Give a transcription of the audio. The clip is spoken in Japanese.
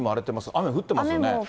雨降ってますよね。